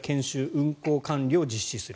運行管理を実施する。